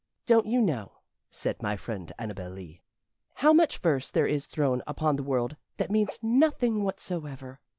"Don't you know," said my friend Annabel Lee, "how much verse there is thrown upon the world that means nothing whatsoever?